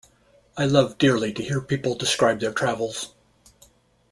I love dearly to hear people describe their travels.